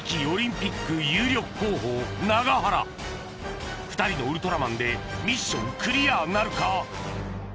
オリンピック有力候補永原２人のウルトラマンでミッションクリアなるか？